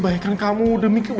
dasar dasar kamu rubuhkosco